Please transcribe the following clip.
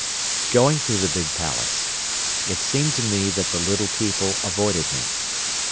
"Going through the big palace, it seemed to me that the little people avoided me.